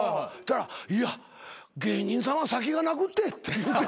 「いや芸人さんは先がなくて」って言うて。